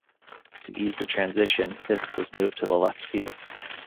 To ease the transition, Fisk was moved to left field.